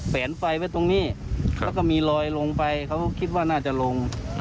แวนไฟไว้ตรงนี้แล้วก็มีลอยลงไปเขาก็คิดว่าน่าจะลง